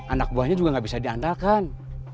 anak buahnya juga nggak bisa diandalkan